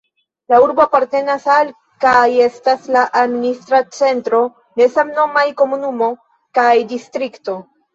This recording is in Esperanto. La urbo apartenas al kaj estas la administra centro de samnomaj komunumo kaj distrikto.